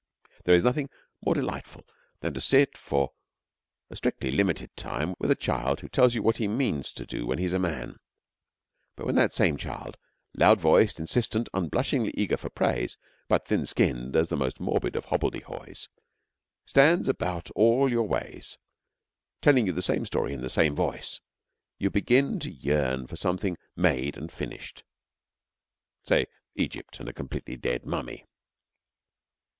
There is nothing more delightful than to sit for a strictly limited time with a child who tells you what he means to do when he is a man; but when that same child, loud voiced, insistent, unblushingly eager for praise, but thin skinned as the most morbid of hobbledehoys, stands about all your ways telling you the same story in the same voice, you begin to yearn for something made and finished say Egypt and a completely dead mummy.